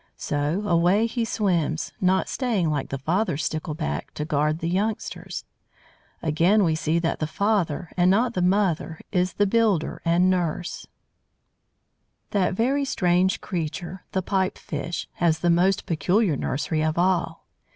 So away, he swims, not staying, like the father Stickleback, to guard the youngsters. Again we see that the father, and not the mother, is the builder and nurse. [Illustration: CORALS OF MANY KINDS.] That very strange creature, the Pipe fish, has the most peculiar nursery of all.